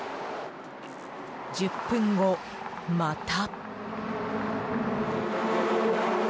１０分後、また。